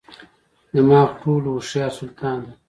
دماغ ټولو هوښیار سلطان دی.